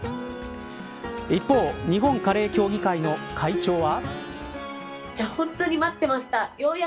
一方日本カレー協議会の会長は。